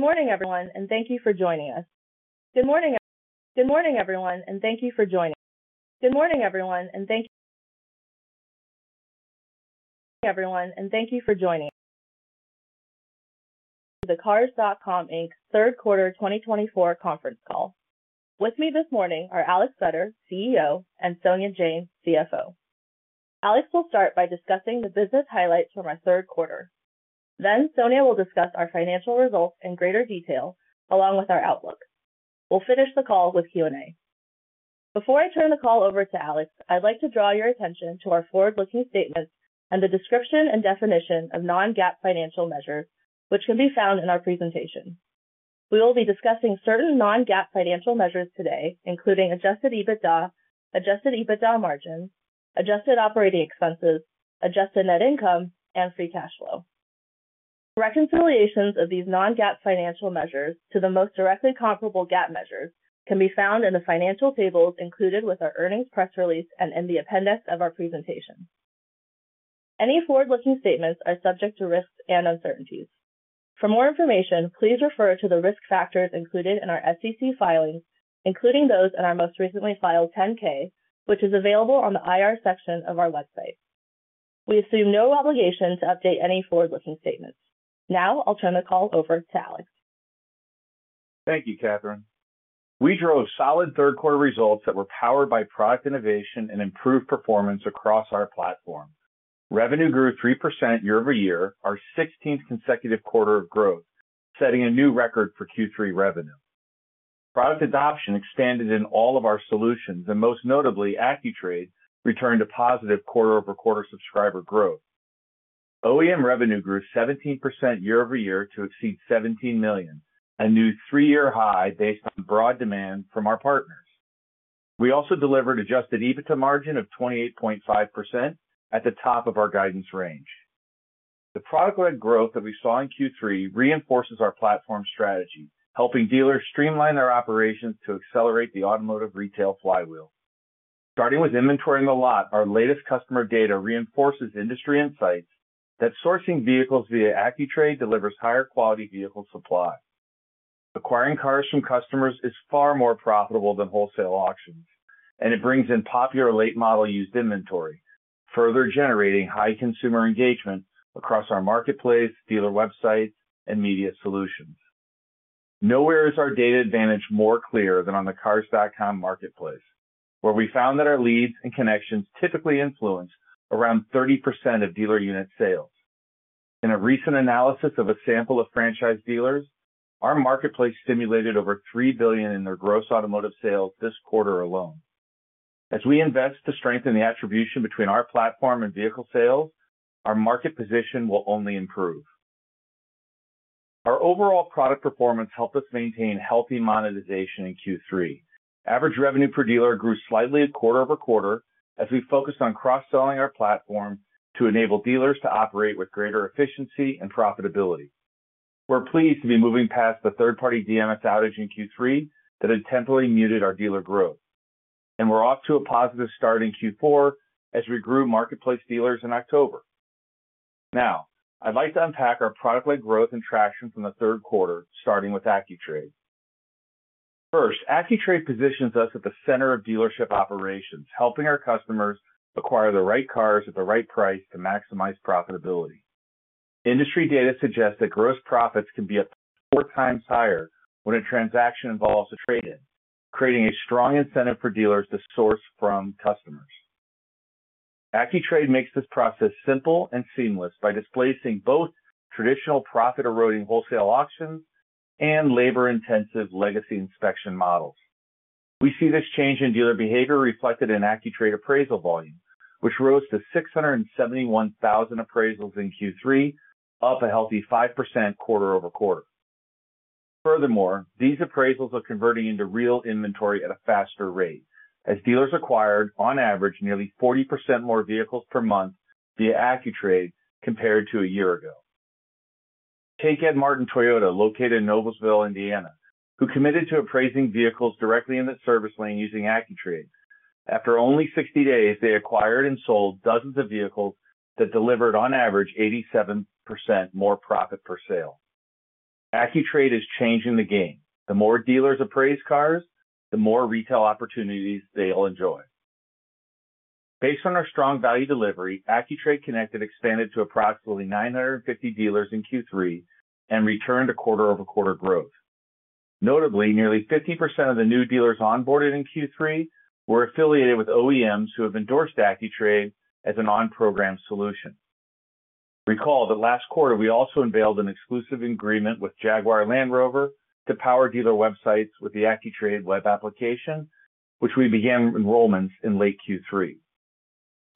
Good morning, everyone, and thank you for joining us. The Cars.com Inc. Third Quarter 2024 Conference Call. With me this morning are Alex Vetter, CEO, and Sonia Jain, CFO. Alex will start by discussing the business highlights from our third quarter. Then Sonia will discuss our financial results in greater detail along with our outlook. We'll finish the call with Q&A. Before I turn the call over to Alex, I'd like to draw your attention to our forward-looking statements and the description and definition of non-GAAP financial measures, which can be found in our presentation. We will be discussing certain non-GAAP financial measures today, including adjusted EBITDA, adjusted EBITDA margins, adjusted operating expenses, adjusted net income, and free cash flow. Reconciliations of these non-GAAP financial measures to the most directly comparable GAAP measures can be found in the financial tables included with our earnings press release and in the appendix of our presentation. Any forward-looking statements are subject to risks and uncertainties. For more information, please refer to the risk factors included in our SEC filings, including those in our most recently filed 10-K, which is available on the IR section of our website. We assume no obligation to update any forward-looking statements. Now I'll turn the call over to Alex. Thank you, Katherine. We drove solid third-quarter results that were powered by product innovation and improved performance across our platform. Revenue grew 3% year over year, our 16th consecutive quarter of growth, setting a new record for Q3 revenue. Product adoption expanded in all of our solutions, and most notably, AccuTrade returned a positive quarter-over-quarter subscriber growth. OEM revenue grew 17% year over year to exceed $17 million, a new three-year high based on broad demand from our partners. We also delivered adjusted EBITDA margin of 28.5% at the top of our guidance range. The product-led growth that we saw in Q3 reinforces our platform strategy, helping dealers streamline their operations to accelerate the automotive retail flywheel. Starting with inventory in the lot, our latest customer data reinforces industry insights that sourcing vehicles via AccuTrade delivers higher quality vehicle supply. Acquiring cars from customers is far more profitable than wholesale auctions, and it brings in popular late-model used inventory, further generating high consumer engagement across our marketplace, dealer websites, and media solutions. Nowhere is our data advantage more clear than on the Cars.com Marketplace, where we found that our leads and connections typically influence around 30% of dealer unit sales. In a recent analysis of a sample of franchise dealers, our marketplace stimulated over $3 billion in their gross automotive sales this quarter alone. As we invest to strengthen the attribution between our platform and vehicle sales, our market position will only improve. Our overall product performance helped us maintain healthy monetization in Q3. Average revenue per dealer grew slightly quarter over quarter as we focused on cross-selling our platform to enable dealers to operate with greater efficiency and profitability. We're pleased to be moving past the third-party DMS outage in Q3 that had temporarily muted our dealer growth, and we're off to a positive start in Q4 as we grew marketplace dealers in October. Now, I'd like to unpack our product-led growth and traction from the third quarter, starting with AccuTrade. First, AccuTrade positions us at the center of dealership operations, helping our customers acquire the right cars at the right price to maximize profitability. Industry data suggests that gross profits can be up to four times higher when a transaction involves a trade-in, creating a strong incentive for dealers to source from customers. AccuTrade makes this process simple and seamless by displacing both traditional profit-eroding wholesale auctions and labor-intensive legacy inspection models. We see this change in dealer behavior reflected in AccuTrade appraisal volume, which rose to 671,000 appraisals in Q3, up a healthy 5% quarter over quarter. Furthermore, these appraisals are converting into real inventory at a faster rate, as dealers acquired, on average, nearly 40% more vehicles per month via AccuTrade compared to a year ago. Take Ed Martin Toyota, located in Noblesville, Indiana, who committed to appraising vehicles directly in the service lane using AccuTrade. After only 60 days, they acquired and sold dozens of vehicles that delivered, on average, 87% more profit per sale. AccuTrade is changing the game. The more dealers appraise cars, the more retail opportunities they'll enjoy. Based on our strong value delivery, AccuTrade Connected expanded to approximately 950 dealers in Q3 and returned a quarter-over-quarter growth. Notably, nearly 50% of the new dealers onboarded in Q3 were affiliated with OEMs who have endorsed AccuTrade as an on-program solution. Recall that last quarter, we also unveiled an exclusive agreement with Jaguar Land Rover to power dealer websites with the AccuTrade Web application, which we began enrollments in late Q3.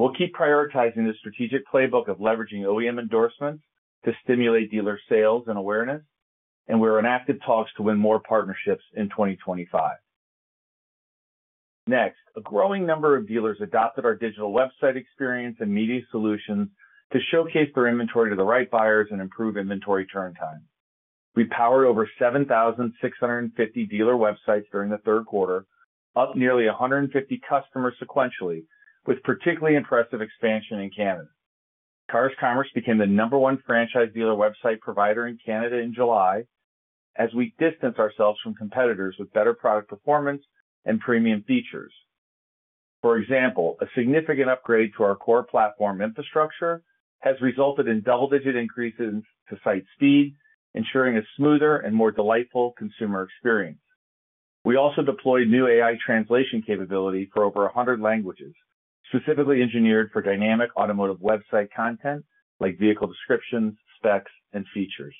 We'll keep prioritizing the strategic playbook of leveraging OEM endorsements to stimulate dealer sales and awareness, and we're in active talks to win more partnerships in 2025. Next, a growing number of dealers adopted our digital website experience and media solutions to showcase their inventory to the right buyers and improve inventory turn time. We powered over 7,650 dealer websites during the third quarter, up nearly 150 customers sequentially, with particularly impressive expansion in Canada. Cars.com's Robbin Moore-Randolph became the number one franchise dealer website provider in Canada in July, as we distance ourselves from competitors with better product performance and premium features. For example, a significant upgrade to our core platform infrastructure has resulted in double-digit increases to site speed, ensuring a smoother and more delightful consumer experience. We also deployed new AI translation capability for over 100 languages, specifically engineered for dynamic automotive website content like vehicle descriptions, specs, and features.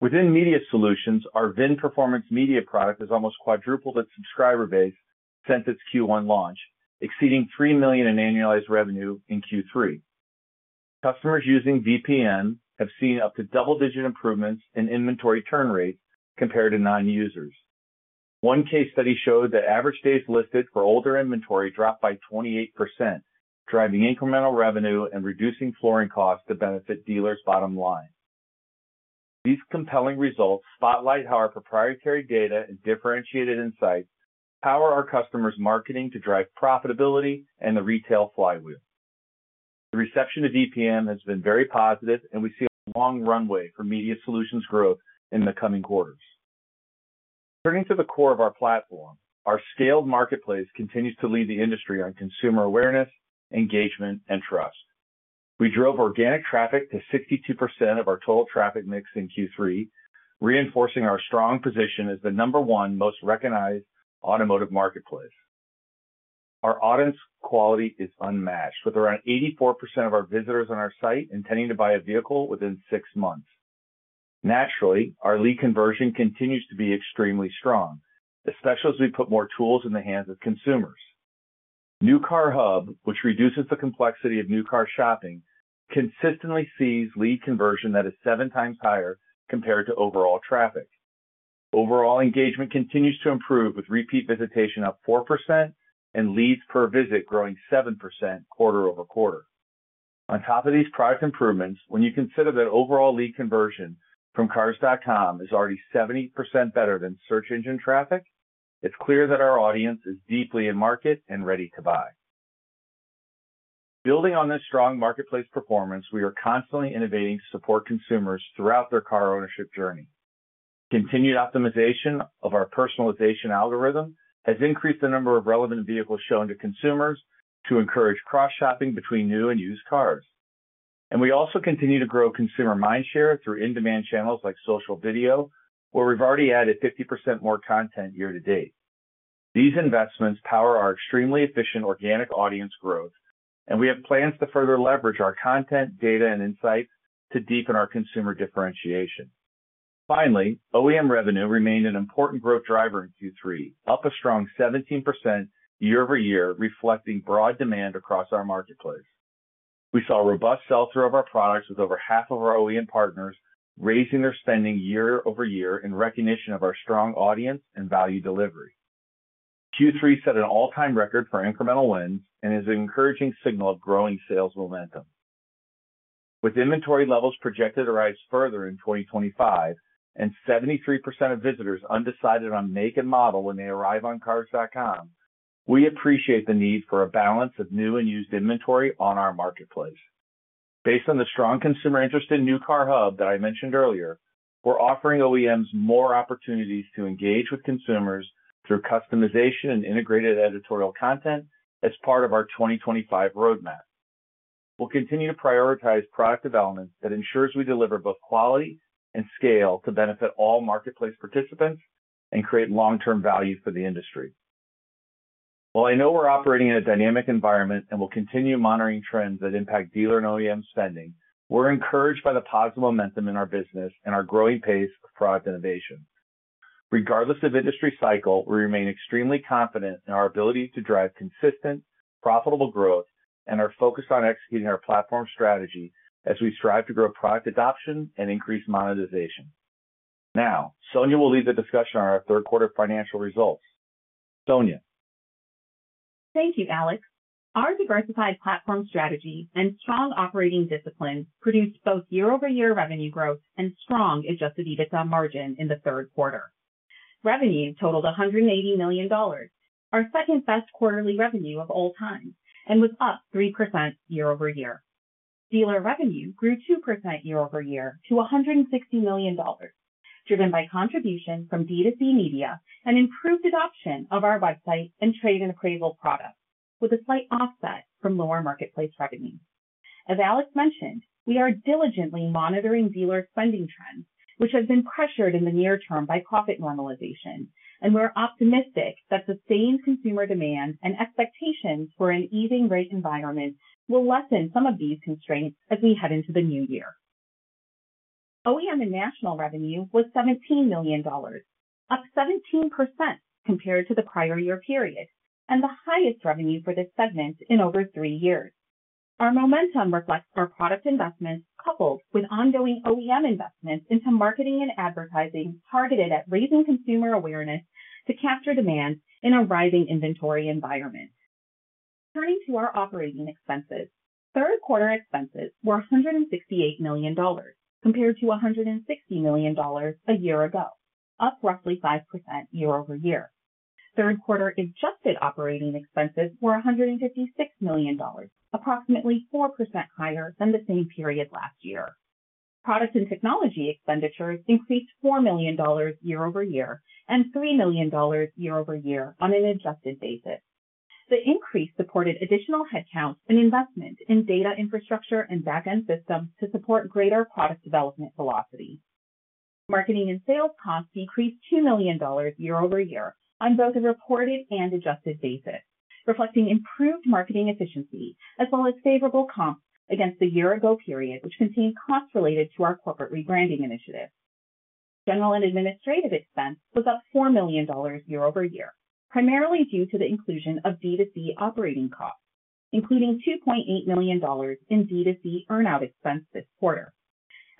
Within media solutions, our VIN Performance Media product has almost quadrupled its subscriber base since its Q1 launch, exceeding 3 million in annualized revenue in Q3. Customers using VPN have seen up to double-digit improvements in inventory turn rate compared to non-users. One case study showed that average days listed for older inventory dropped by 28%, driving incremental revenue and reducing flooring costs to benefit dealers' bottom line. These compelling results spotlight how our proprietary data and differentiated insights power our customers' marketing to drive profitability and the retail flywheel. The reception to VPN has been very positive, and we see a long runway for media solutions growth in the coming quarters. Turning to the core of our platform, our scaled marketplace continues to lead the industry on consumer awareness, engagement, and trust. We drove organic traffic to 62% of our total traffic mix in Q3, reinforcing our strong position as the number one most recognized automotive marketplace. Our audience quality is unmatched, with around 84% of our visitors on our site intending to buy a vehicle within six months. Naturally, our lead conversion continues to be extremely strong, especially as we put more tools in the hands of consumers. New Car Hub, which reduces the complexity of new car shopping, consistently sees lead conversion that is seven times higher compared to overall traffic. Overall engagement continues to improve, with repeat visitation up 4% and leads per visit growing 7% quarter over quarter. On top of these product improvements, when you consider that overall lead conversion from Cars.com is already 70% better than search engine traffic, it's clear that our audience is deeply in market and ready to buy. Building on this strong marketplace performance, we are constantly innovating to support consumers throughout their car ownership journey. Continued optimization of our personalization algorithm has increased the number of relevant vehicles shown to consumers to encourage cross-shopping between new and used cars, and we also continue to grow consumer mind share through in-demand channels like social video, where we've already added 50% more content year to date. These investments power our extremely efficient organic audience growth, and we have plans to further leverage our content, data, and insights to deepen our consumer differentiation. Finally, OEM revenue remained an important growth driver in Q3, up a strong 17% year over year, reflecting broad demand across our marketplace. We saw robust sell-through of our products, with over half of our OEM partners raising their spending year over year in recognition of our strong audience and value delivery. Q3 set an all-time record for incremental wins and is an encouraging signal of growing sales momentum. With inventory levels projected to rise further in 2025 and 73% of visitors undecided on make and model when they arrive on Cars.com, we appreciate the need for a balance of new and used inventory on our marketplace. Based on the strong consumer interest in New Car Hub that I mentioned earlier, we're offering OEMs more opportunities to engage with consumers through customization and integrated editorial content as part of our 2025 roadmap. We'll continue to prioritize product development that ensures we deliver both quality and scale to benefit all marketplace participants and create long-term value for the industry. While I know we're operating in a dynamic environment and will continue monitoring trends that impact dealer and OEM spending, we're encouraged by the positive momentum in our business and our growing pace of product innovation. Regardless of industry cycle, we remain extremely confident in our ability to drive consistent, profitable growth and are focused on executing our platform strategy as we strive to grow product adoption and increase monetization. Now, Sonia will lead the discussion on our third-quarter financial results. Sonia. Thank you, Alex. Our diversified platform strategy and strong operating discipline produced both year-over-year revenue growth and strong Adjusted EBITDA margin in the third quarter. Revenue totaled $180 million, our second-best quarterly revenue of all time, and was up 3% year over year. Dealer revenue grew 2% year over year to $160 million, driven by contributions from D2C Media and improved adoption of our website and trade-and-appraisal products, with a slight offset from lower marketplace revenue. As Alex mentioned, we are diligently monitoring dealer spending trends, which have been pressured in the near term by profit normalization, and we're optimistic that sustained consumer demand and expectations for an easing rate environment will lessen some of these constraints as we head into the new year. OEM and national revenue was $17 million, up 17% compared to the prior year period, and the highest revenue for this segment in over three years. Our momentum reflects our product investments coupled with ongoing OEM investments into marketing and advertising targeted at raising consumer awareness to capture demand in a rising inventory environment. Turning to our operating expenses, third-quarter expenses were $168 million compared to $160 million a year ago, up roughly 5% year over year. Third-quarter adjusted operating expenses were $156 million, approximately 4% higher than the same period last year. Product and technology expenditures increased $4 million year over year and $3 million year over year on an adjusted basis. The increase supported additional headcount and investment in data infrastructure and back-end systems to support greater product development velocity. Marketing and sales costs decreased $2 million year over year on both a reported and adjusted basis, reflecting improved marketing efficiency as well as favorable comps against the year-ago period, which contained costs related to our corporate rebranding initiative. General and administrative expense was up $4 million year over year, primarily due to the inclusion of D2C operating costs, including $2.8 million in D2C earnout expense this quarter.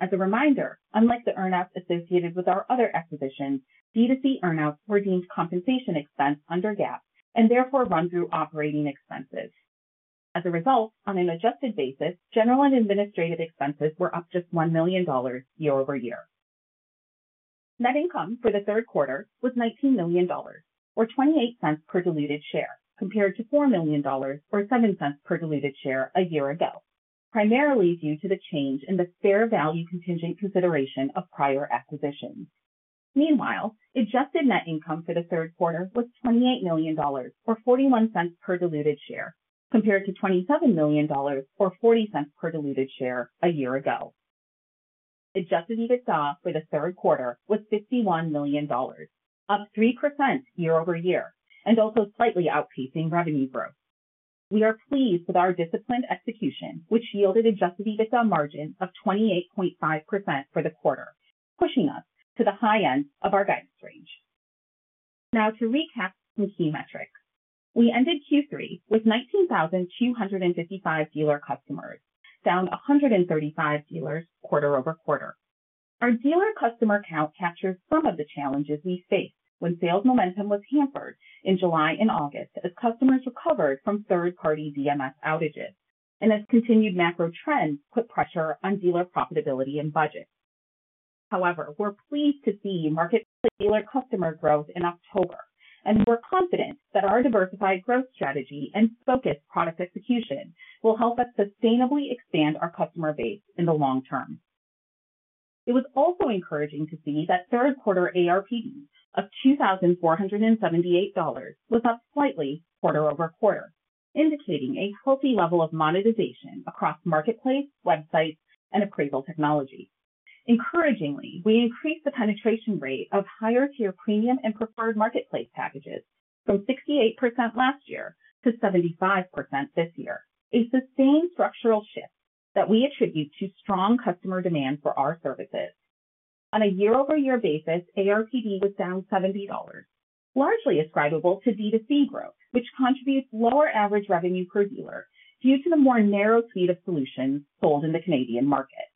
As a reminder, unlike the earnouts associated with our other acquisitions, D2C earnouts were deemed compensation expense under GAAP and therefore run through operating expenses. As a result, on an adjusted basis, general and administrative expenses were up just $1 million year over year. Net income for the third quarter was $19 million, or $0.28 per diluted share, compared to $4 million, or $0.07 per diluted share a year ago, primarily due to the change in the fair value contingent consideration of prior acquisitions. Meanwhile, adjusted net income for the third quarter was $28 million, or $0.41 per diluted share, compared to $27 million, or $0.40 per diluted share a year ago. Adjusted EBITDA for the third quarter was $51 million, up 3% year over year, and also slightly outpacing revenue growth. We are pleased with our disciplined execution, which yielded adjusted EBITDA margin of 28.5% for the quarter, pushing us to the high end of our guidance range. Now, to recap some key metrics. We ended Q3 with 19,255 dealer customers, down 135 dealers quarter over quarter. Our dealer customer count captures some of the challenges we faced when sales momentum was hampered in July and August as customers recovered from third-party DMS outages and as continued macro trends put pressure on dealer profitability and budget. However, we're pleased to see marketplace dealer customer growth in October, and we're confident that our diversified growth strategy and focused product execution will help us sustainably expand our customer base in the long term. It was also encouraging to see that third-quarter ARPD of $2,478 was up slightly quarter over quarter, indicating a healthy level of monetization across marketplace, websites, and appraisal technology. Encouragingly, we increased the penetration rate of higher-tier premium and preferred marketplace packages from 68% last year to 75% this year, a sustained structural shift that we attribute to strong customer demand for our services. On a year-over-year basis, ARPD was down $70, largely attributable to D2C growth, which contributes lower average revenue per dealer due to the more narrow suite of solutions sold in the Canadian market.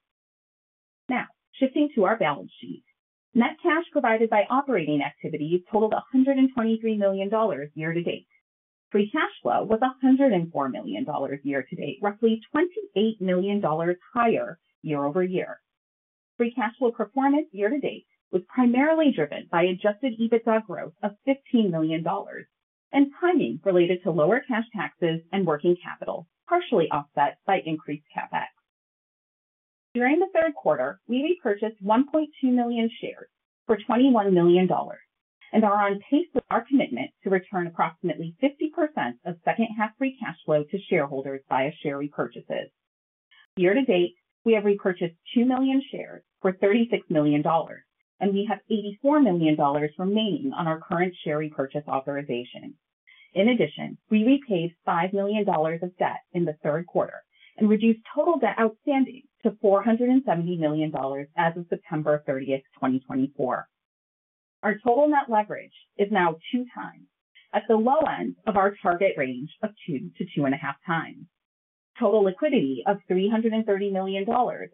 Now, shifting to our balance sheet, net cash provided by operating activities totaled $123 million year to date. Free cash flow was $104 million year to date, roughly $28 million higher year over year. Free cash flow performance year to date was primarily driven by Adjusted EBITDA growth of $15 million and timing related to lower cash taxes and working capital, partially offset by increased CapEx. During the third quarter, we repurchased 1.2 million shares for $21 million and are on pace with our commitment to return approximately 50% of second-half free cash flow to shareholders via share repurchases. Year to date, we have repurchased 2 million shares for $36 million, and we have $84 million remaining on our current share repurchase authorization. In addition, we repaid $5 million of debt in the third quarter and reduced total debt outstanding to $470 million as of September 30, 2024. Our total net leverage is now two times at the low end of our target range of two to two and a half times. Total liquidity of $330 million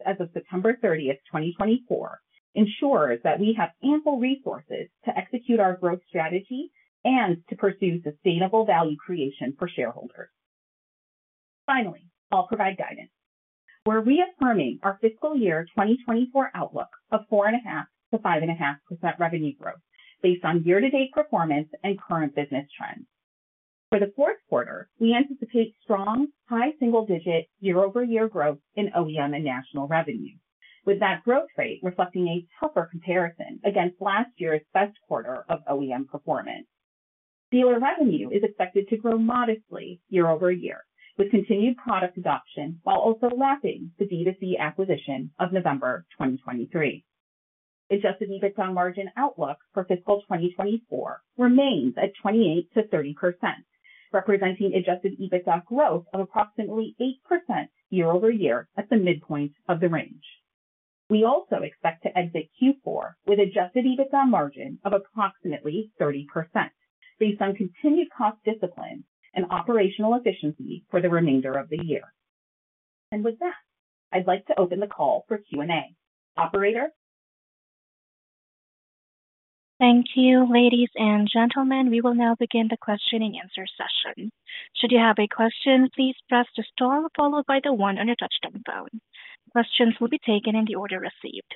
as of September 30, 2024, ensures that we have ample resources to execute our growth strategy and to pursue sustainable value creation for shareholders. Finally, I'll provide guidance. We're reaffirming our fiscal year 2024 outlook of 4.5%-5.5% revenue growth based on year-to-date performance and current business trends. For the fourth quarter, we anticipate strong, high single-digit year-over-year growth in OEM and national revenue, with that growth rate reflecting a tougher comparison against last year's best quarter of OEM performance. Dealer revenue is expected to grow modestly year over year, with continued product adoption while also lapping the D2C acquisition of November 2023. Adjusted EBITDA margin outlook for fiscal 2024 remains at 28%-30%, representing adjusted EBITDA growth of approximately 8% year over year at the midpoint of the range. We also expect to exit Q4 with Adjusted EBITDA margin of approximately 30%, based on continued cost discipline and operational efficiency for the remainder of the year. And with that, I'd like to open the call for Q&A. Operator. Thank you, ladies and gentlemen. We will now begin the question and answer session. Should you have a question, please press the star followed by the one on your touch-tone phone. Questions will be taken in the order received.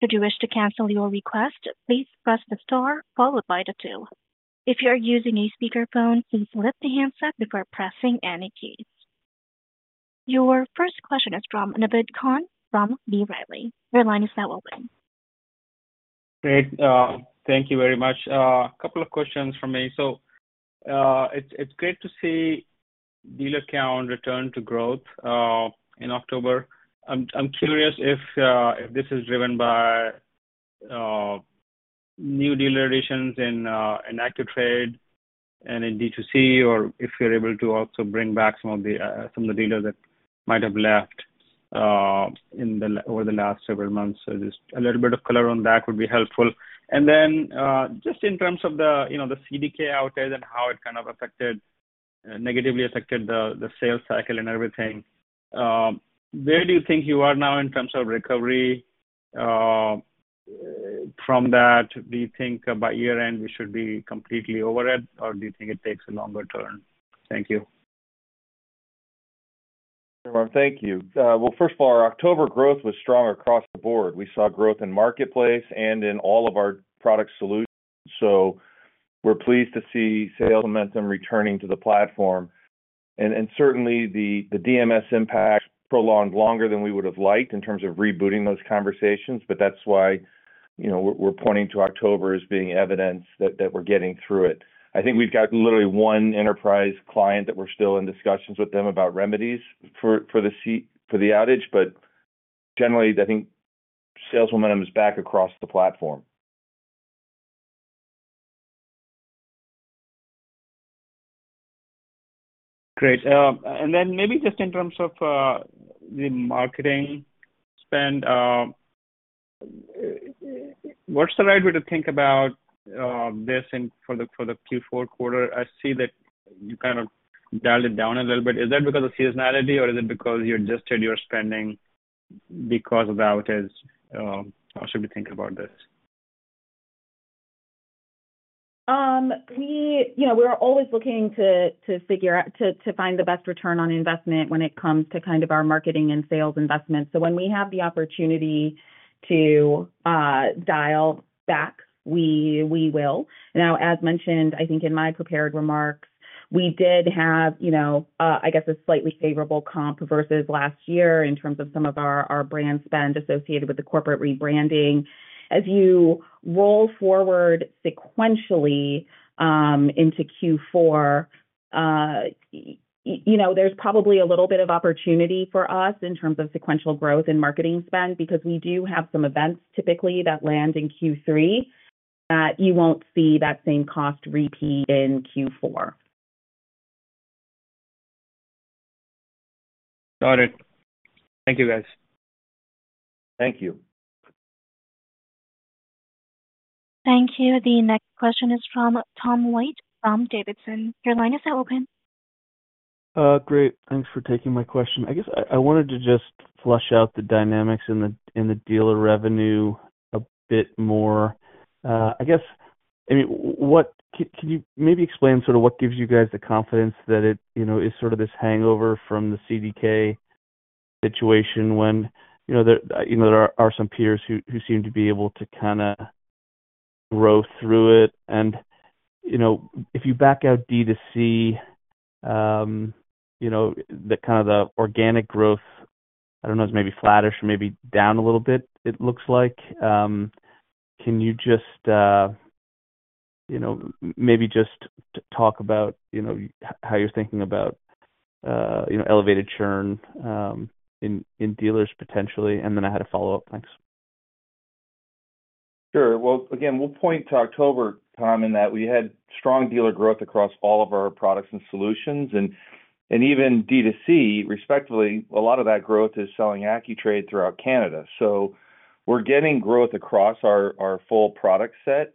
Should you wish to cancel your request, please press the star followed by the two. If you are using a speakerphone, please lift the handset before pressing any keys. Your first question is from Naved Khan, from B. Riley. Your line is now open. Great. Thank you very much. A couple of questions for me. So it's great to see dealer count return to growth in October. I'm curious if this is driven by new dealer additions in AccuTrade and in D2C, or if you're able to also bring back some of the dealers that might have left over the last several months. So just a little bit of color on that would be helpful. And then just in terms of the CDK outage and how it kind of affected, negatively affected the sales cycle and everything, where do you think you are now in terms of recovery from that? Do you think by year-end we should be completely over it, or do you think it takes a longer turn? Thank you. Sure. Thank you. Well, first of all, our October growth was strong across the board. We saw growth in marketplace and in all of our product solutions. So we're pleased to see sales momentum returning to the platform. And certainly, the DMS impact prolonged longer than we would have liked in terms of rebooting those conversations, but that's why we're pointing to October as being evidence that we're getting through it. I think we've got literally one enterprise client that we're still in discussions with them about remedies for the outage, but generally, I think sales momentum is back across the platform. Great. And then maybe just in terms of the marketing spend, what's the right way to think about this for the Q4 quarter? I see that you kind of dialed it down a little bit. Is that because of seasonality, or is it because you adjusted your spending because of the outage? How should we think about this? We are always looking to figure out the best return on investment when it comes to kind of our marketing and sales investment. So when we have the opportunity to dial back, we will. Now, as mentioned, I think in my prepared remarks, we did have, I guess, a slightly favorable comp versus last year in terms of some of our brand spend associated with the corporate rebranding. As you roll forward sequentially into Q4, there's probably a little bit of opportunity for us in terms of sequential growth and marketing spend because we do have some events typically that land in Q3 that you won't see that same cost repeat in Q4. Got it. Thank you, guys. Thank you. Thank you. The next question is from Tom White from D.A. Davidson. Your line is now open. Great. Thanks for taking my question. I guess I wanted to just flesh out the dynamics in the dealer revenue a bit more. I guess, I mean, can you maybe explain sort of what gives you guys the confidence that it is sort of this hangover from the CDK situation when there are some peers who seem to be able to kind of grow through it? And if you back out D2C, kind of the organic growth, I don't know, is maybe flattish or maybe down a little bit, it looks like. Can you just maybe talk about how you're thinking about elevated churn in dealers potentially? And then I had a follow-up. Thanks. Sure. Well, again, we'll point to October, Tom, in that we had strong dealer growth across all of our products and solutions. And even D2C, respectively, a lot of that growth is selling AccuTrade throughout Canada. So we're getting growth across our full product set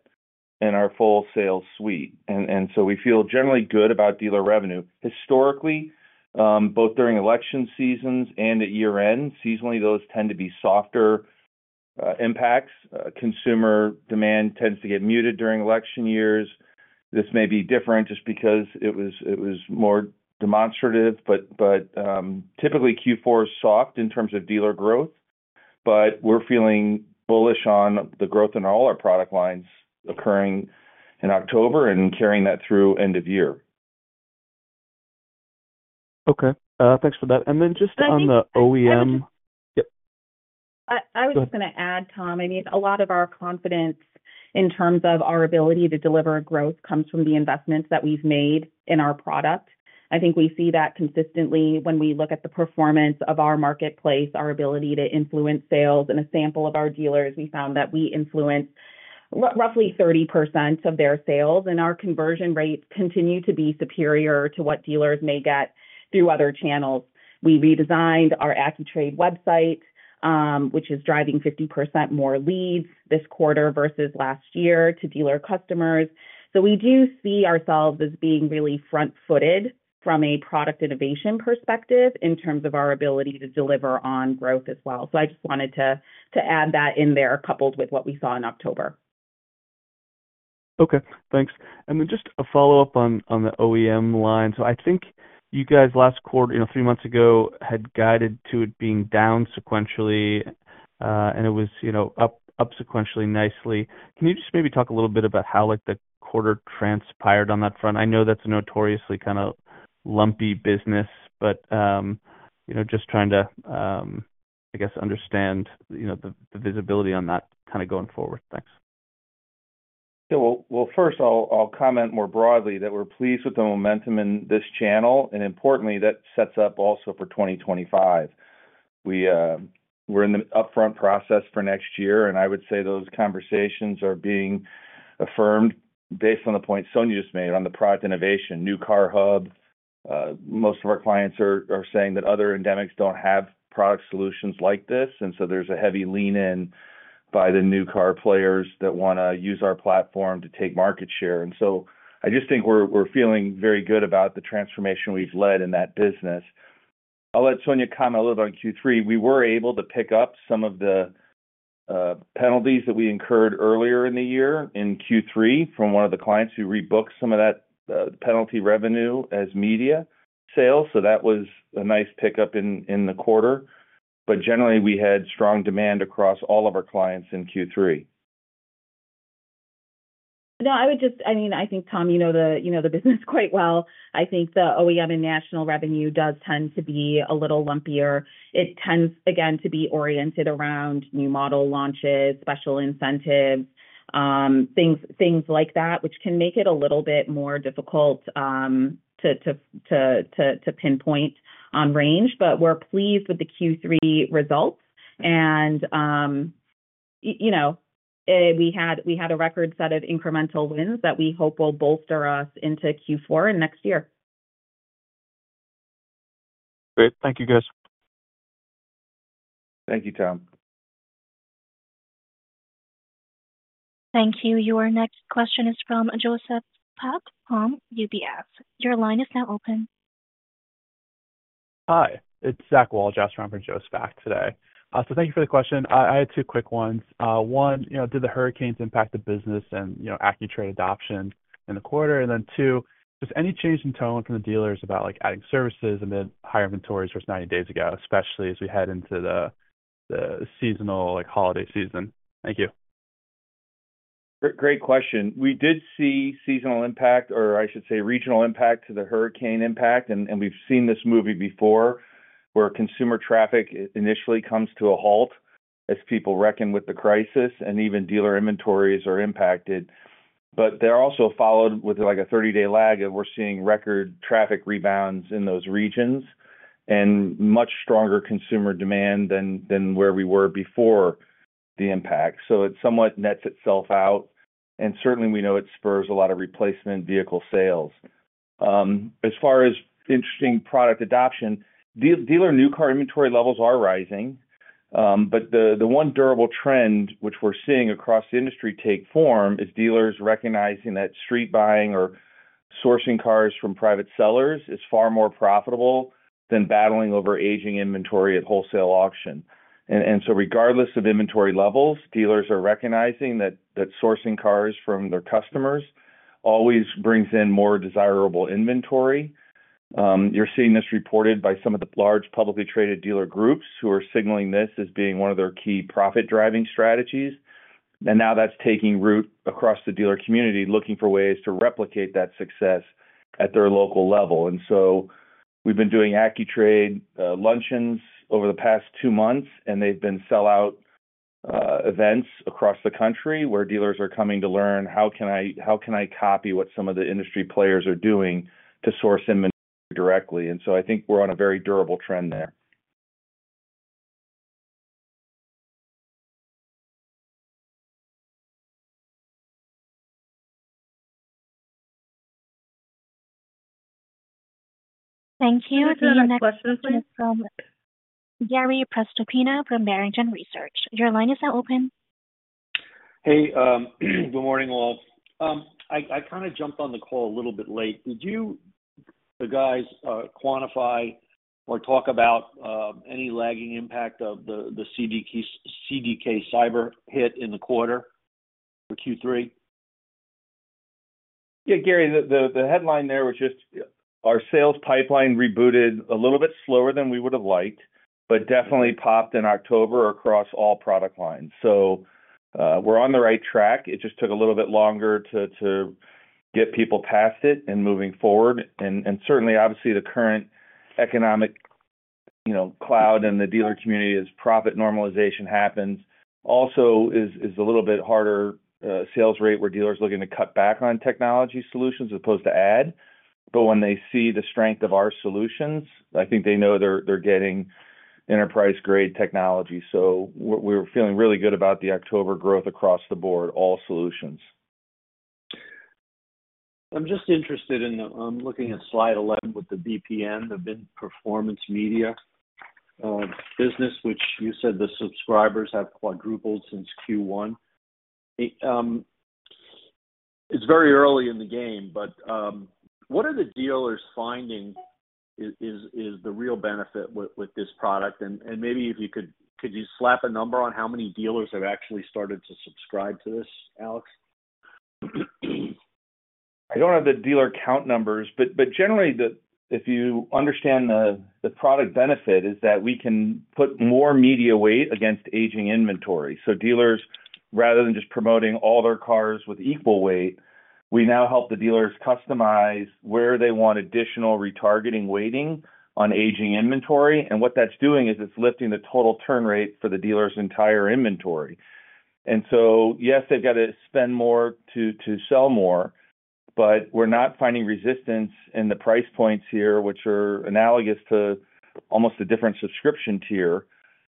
and our full sales suite. And so we feel generally good about dealer revenue. Historically, both during election seasons and at year-end, seasonally, those tend to be softer impacts. Consumer demand tends to get muted during election years. This may be different just because it was more demonstrative. But typically, Q4 is soft in terms of dealer growth, but we're feeling bullish on the growth in all our product lines occurring in October and carrying that through end of year. Okay. Thanks for that. And then just on the OEM, yep. I was just going to add, Tom, I mean, a lot of our confidence in terms of our ability to deliver growth comes from the investments that we've made in our product. I think we see that consistently when we look at the performance of our marketplace, our ability to influence sales. In a sample of our dealers, we found that we influence roughly 30% of their sales, and our conversion rates continue to be superior to what dealers may get through other channels. We redesigned our AccuTrade website, which is driving 50% more leads this quarter versus last year to dealer customers. So we do see ourselves as being really front-footed from a product innovation perspective in terms of our ability to deliver on growth as well. So I just wanted to add that in there coupled with what we saw in October. Okay. Thanks. And then just a follow-up on the OEM line. So I think you guys last quarter, three months ago, had guided to it being down sequentially, and it was up sequentially nicely. Can you just maybe talk a little bit about how the quarter transpired on that front? I know that's a notoriously kind of lumpy business, but just trying to, I guess, understand the visibility on that kind of going forward. Thanks. Yeah. Well, first, I'll comment more broadly that we're pleased with the momentum in this channel, and importantly, that sets up also for 2025. We're in the upfront process for next year, and I would say those conversations are being affirmed based on the points Sonia just made on the product innovation, New Car Hub. Most of our clients are saying that other endemics don't have product solutions like this, and so there's a heavy lean-in by the new car players that want to use our platform to take market share. And so I just think we're feeling very good about the transformation we've led in that business. I'll let Sonia comment a little bit on Q3. We were able to pick up some of the penalties that we incurred earlier in the year in Q3 from one of the clients who rebooked some of that penalty revenue as media sales. So that was a nice pickup in the quarter. But generally, we had strong demand across all of our clients in Q3. No, I would just, I mean, I think, Tom, you know the business quite well. I think the OEM and national revenue does tend to be a little lumpier. It tends, again, to be oriented around new model launches, special incentives, things like that, which can make it a little bit more difficult to pinpoint on range. But we're pleased with the Q3 results, and we had a record set of incremental wins that we hope will bolster us into Q4 and next year. Great. Thank you, guys. Thank you, Tom. Thank you. Your next question is from Joe Spak from UBS. Your line is now open. Hi. It's Zach Wall, sitting in for Joe Spak today. Thank you for the question. I had two quick ones. One, did the hurricanes impact the business and AccuTrade adoption in the quarter? And then two, just any change in tone from the dealers about adding services and the higher inventories versus 90 days ago, especially as we head into the seasonal holiday season? Thank you. Great question. We did see seasonal impact, or I should say regional impact to the hurricane impact, and we've seen this movie before where consumer traffic initially comes to a halt as people reckon with the crisis, and even dealer inventories are impacted, but they're also followed with a 30-day lag, and we're seeing record traffic rebounds in those regions and much stronger consumer demand than where we were before the impact, so it somewhat nets itself out, and certainly, we know it spurs a lot of replacement vehicle sales. As far as interesting product adoption, dealer new car inventory levels are rising, but the one durable trend which we're seeing across the industry take form is dealers recognizing that street buying or sourcing cars from private sellers is far more profitable than battling over aging inventory at wholesale auction. And so regardless of inventory levels, dealers are recognizing that sourcing cars from their customers always brings in more desirable inventory. You're seeing this reported by some of the large publicly traded dealer groups who are signaling this as being one of their key profit-driving strategies. And now that's taking root across the dealer community, looking for ways to replicate that success at their local level. And so we've been doing AccuTrade luncheons over the past two months, and they've been sold-out events across the country where dealers are coming to learn, "How can I copy what some of the industry players are doing to source inventory directly?" And so I think we're on a very durable trend there. Thank you. The next question is from Gary Prestopino from Barrington Research. Your line is now open. Hey. Good morning, all. I kind of jumped on the call a little bit late. Did you, the guys, quantify or talk about any lagging impact of the CDK cyber hit in the quarter for Q3? Yeah, Gary, the headline there was just our sales pipeline rebooted a little bit slower than we would have liked, but definitely popped in October across all product lines. So we're on the right track. It just took a little bit longer to get people past it and moving forward. And certainly, obviously, the current economic cloud and the dealer community as profit normalization happens also is a little bit harder sales rate where dealers are looking to cut back on technology solutions as opposed to add. But when they see the strength of our solutions, I think they know they're getting enterprise-grade technology. So we're feeling really good about the October growth across the board, all solutions. I'm just interested in looking at slide 11 with the VPN, the VIN Performance Media business, which you said the subscribers have quadrupled since Q1. It's very early in the game, but what are the dealers finding is the real benefit with this product? Maybe if you could, could you slap a number on how many dealers have actually started to subscribe to this, Alex? I don't have the dealer count numbers, but generally, if you understand the product benefit, is that we can put more media weight against aging inventory. So dealers, rather than just promoting all their cars with equal weight, we now help the dealers customize where they want additional retargeting weighting on aging inventory. And what that's doing is it's lifting the total turn rate for the dealer's entire inventory. And so yes, they've got to spend more to sell more, but we're not finding resistance in the price points here, which are analogous to almost a different subscription tier.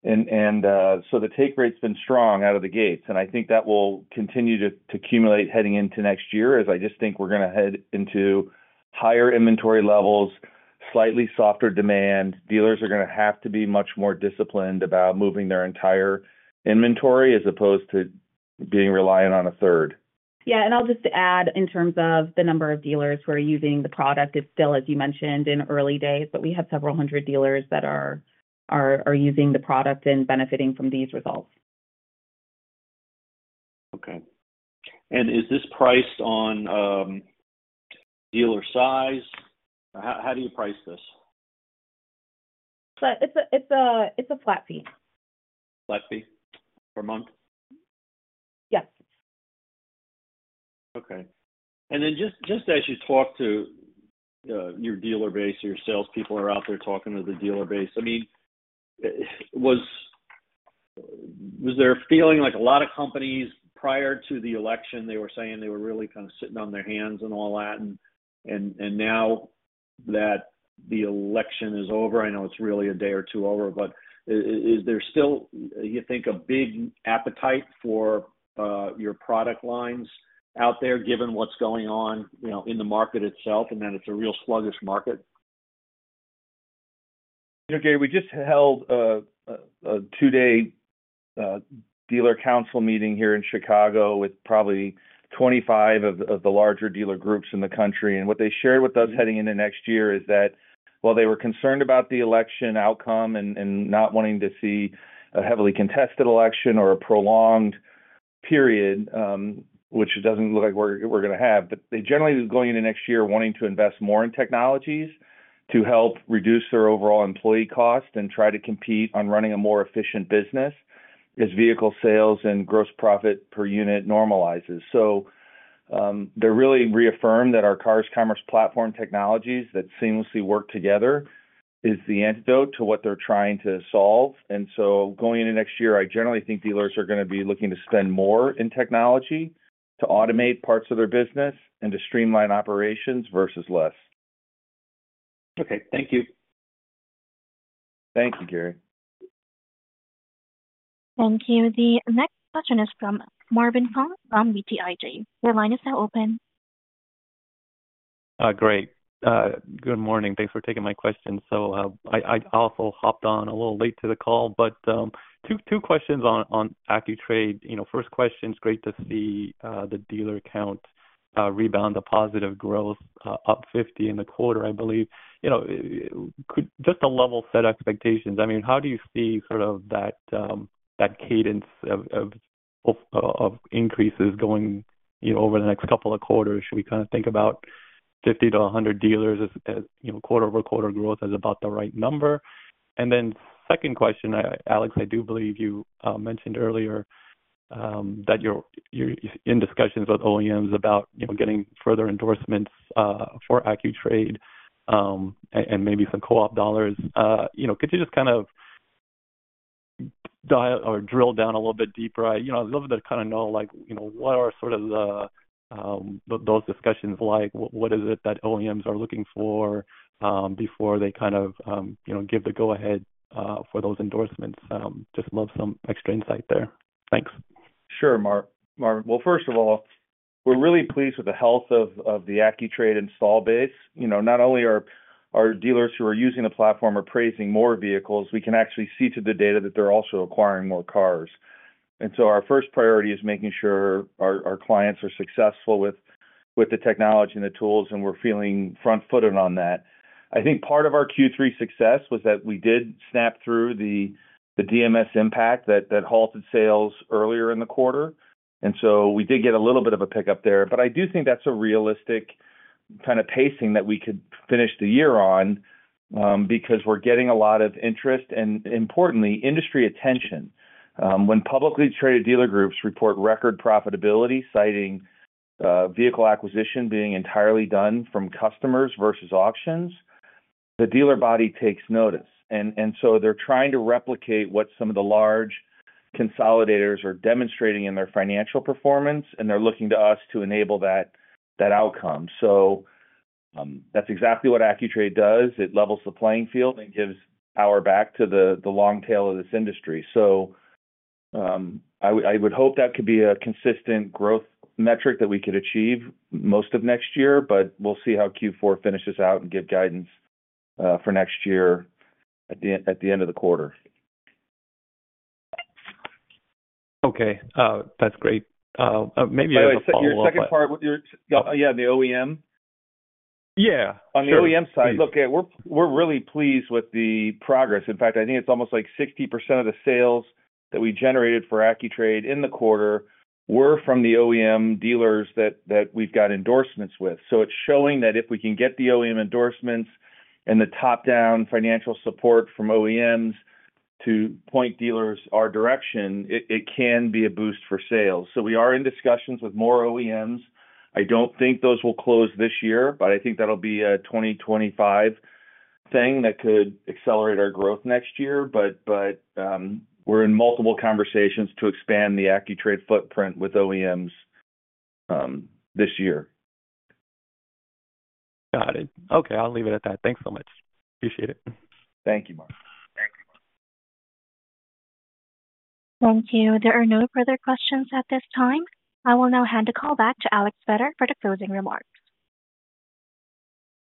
And so the take rate's been strong out of the gates. And I think that will continue to accumulate heading into next year, as I just think we're going to head into higher inventory levels, slightly softer demand. Dealers are going to have to be much more disciplined about moving their entire inventory as opposed to being reliant on a third. Yeah. And I'll just add in terms of the number of dealers who are using the product. It's still, as you mentioned, in early days, but we have several hundred dealers that are using the product and benefiting from these results. Okay. Is this priced on dealer size? How do you price this? It's a flat fee. Flat fee per month? Yes. Okay. And then just as you talk to your dealer base or your salespeople are out there talking to the dealer base, I mean, was there a feeling like a lot of companies prior to the election, they were saying they were really kind of sitting on their hands and all that? And now that the election is over, I know it's really a day or two over, but is there still, you think, a big appetite for your product lines out there given what's going on in the market itself and that it's a real sluggish market? Gary, we just held a two-day dealer council meeting here in Chicago with probably 25 of the larger dealer groups in the country. And what they shared with us heading into next year is that while they were concerned about the election outcome and not wanting to see a heavily contested election or a prolonged period, which doesn't look like we're going to have, but they generally are going into next year wanting to invest more in technologies to help reduce their overall employee cost and try to compete on running a more efficient business as vehicle sales and gross profit per unit normalizes. So they're really reaffirming that our Cars Commerce platform technologies that seamlessly work together is the antidote to what they're trying to solve. And so going into next year, I generally think dealers are going to be looking to spend more in technology to automate parts of their business and to streamline operations versus less. Okay. Thank you. Thank you, Gary. Thank you. The next question is from Marvin Fong from BTIG. Your line is now open. Great. Good morning. Thanks for taking my question. So I also hopped on a little late to the call, but two questions on AccuTrade. First question, it's great to see the dealer count rebound, the positive growth, up 50 in the quarter, I believe. Just to level set expectations, I mean, how do you see sort of that cadence of increases going over the next couple of quarters? Should we kind of think about 50-100 dealers as quarter-over-quarter growth is about the right number? And then second question, Alex, I do believe you mentioned earlier that you're in discussions with OEMs about getting further endorsements for AccuTrade and maybe some co-op dollars. Could you just kind of dial or drill down a little bit deeper? I'd love to kind of know what are sort of those discussions like? What is it that OEMs are looking for before they kind of give the go-ahead for those endorsements? Just love some extra insight there. Thanks. Sure, Marvin. Well, first of all, we're really pleased with the health of the AccuTrade install base. Not only are dealers who are using the platform appraising more vehicles, we can actually see to the data that they're also acquiring more cars. And so our first priority is making sure our clients are successful with the technology and the tools, and we're feeling front-footed on that. I think part of our Q3 success was that we did snap through the DMS impact that halted sales earlier in the quarter. And so we did get a little bit of a pickup there. But I do think that's a realistic kind of pacing that we could finish the year on because we're getting a lot of interest and, importantly, industry attention. When publicly traded dealer groups report record profitability, citing vehicle acquisition being entirely done from customers versus auctions, the dealer body takes notice, and so they're trying to replicate what some of the large consolidators are demonstrating in their financial performance, and they're looking to us to enable that outcome, so that's exactly what AccuTrade does. It levels the playing field and gives power back to the long tail of this industry, so I would hope that could be a consistent growth metric that we could achieve most of next year, but we'll see how Q4 finishes out and give guidance for next year at the end of the quarter. Okay. That's great. Maybe I apologize. Wait. Your second part, yeah, the OEM? Yeah. The OEM side. Look, we're really pleased with the progress. In fact, I think it's almost like 60% of the sales that we generated for AccuTrade in the quarter were from the OEM dealers that we've got endorsements with. So it's showing that if we can get the OEM endorsements and the top-down financial support from OEMs to point dealers our direction, it can be a boost for sales. So we are in discussions with more OEMs. I don't think those will close this year, but I think that'll be a 2025 thing that could accelerate our growth next year. But we're in multiple conversations to expand the AccuTrade footprint with OEMs this year. Got it. Okay. I'll leave it at that. Thanks so much. Appreciate it. Thank you, Marvin. Thank you. Thank you. There are no further questions at this time. I will now hand the call back to Alex Vetter for the closing remarks.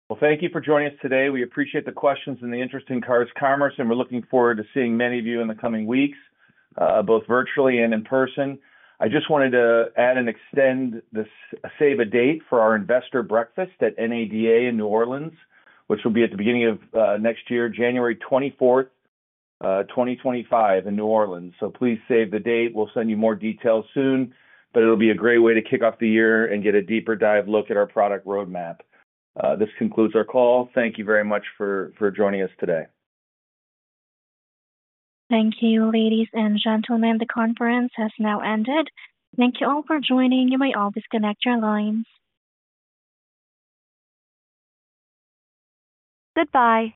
Well, thank you for joining us today. We appreciate the questions and the interest in Cars Commerce, and we're looking forward to seeing many of you in the coming weeks, both virtually and in person. I just wanted to add and save a date for our investor breakfast at NADA in New Orleans, which will be at the beginning of next year, January 24th, 2025, in New Orleans. So please save the date. We'll send you more details soon, but it'll be a great way to kick off the year and get a deeper dive look at our product roadmap. This concludes our call. Thank you very much for joining us today. Thank you, ladies and gentlemen. The conference has now ended. Thank you all for joining. You may always connect your lines. Goodbye.